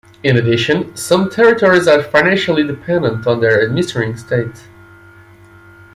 In addition, some territories are financially dependent on their administering state.